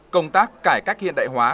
công tác cải cách hiện đại hóa